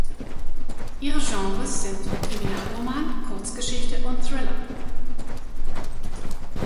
Ihre Genres sind Kriminalroman, Kurzgeschichte und Thriller.